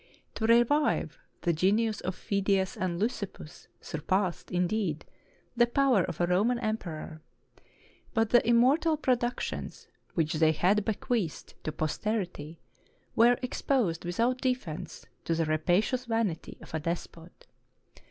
To revive the genius of Phidias and Lysippus surpassed, indeed, the power of a Roman emperor ; but the immortal pro ductions which they had bequeathed to posterity were exposed without defense to the rapacious vanity of a despot.